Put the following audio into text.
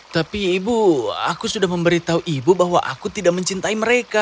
tapi ibu aku sudah memberitahu ibu bahwa aku tidak mencintai mereka